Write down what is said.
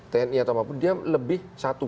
tni atau apapun dia lebih satu